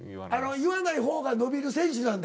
言わない方が伸びる選手なんだ。